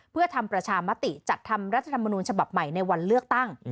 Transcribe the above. เพื่อทำประชามติจัดทำรัฐธรรมนูญฉบับใหม่ในวันเลือกตั้ง